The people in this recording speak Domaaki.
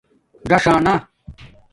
ژاݽانہ